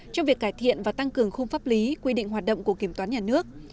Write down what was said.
trong việc cải thiện và tăng cường khung pháp lý quy định hoạt động của kiểm toán nhà nước